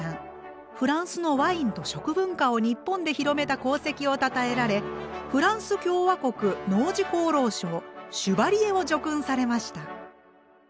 フランスのワインと食文化を日本で広めた功績をたたえられフランス共和国農事功労賞シュバリエを叙勲されました。